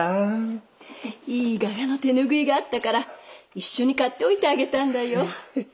いい柄の手拭いがあったから一緒に買っておいてあげたんだよ。